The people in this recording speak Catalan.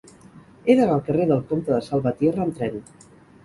He d'anar al carrer del Comte de Salvatierra amb tren.